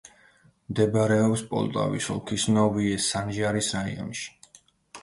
მდებარეობს პოლტავის ოლქის ნოვიე-სანჟარის რაიონში.